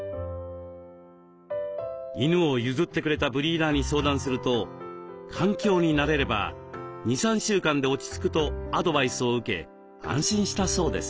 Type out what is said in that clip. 犬を譲ってくれたブリーダーに相談すると環境に慣れれば２３週間で落ち着くとアドバイスを受け安心したそうです。